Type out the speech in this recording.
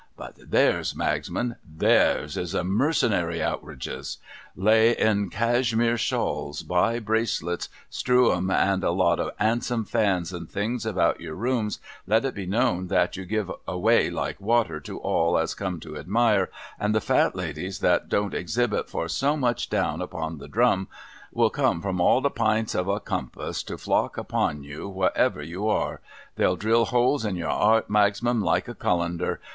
' But theirs, Magsman, theirs is mercenary outrages. Lay in Cashmeer shawls, buy bracelets, strew 'em and a lot of 'andsome fans and things about your rooms, let it be known that you give away like water to all as come to admire, and the Fat Ladies that don't exhibit for so much down upon the drum, will come from all the pints of the compass to flock about you, whatever you are. They'll drill holes in your 'art, Magsman, like a Cullender.